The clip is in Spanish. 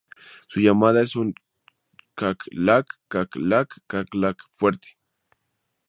Su llamada es un "cackalac-cackalac-cackalac" fuerte.